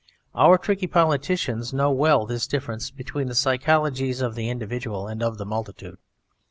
Our tricky politicians know well this difference between the psychologies of the individual and of the multitude.